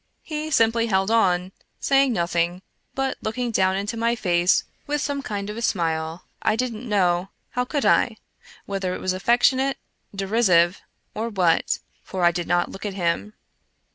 He simply held on, saying nothing, but looking down into my face with some kind of a smile — I didn't know — how could I ?— whether it was afllectionate, derisive, or what, for I did not look at him.